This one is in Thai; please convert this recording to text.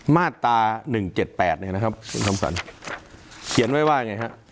มาตร๑๗๘เห็นไหมครับคุณจอมขวัญเขียนไว้ว่าอย่างไรครับ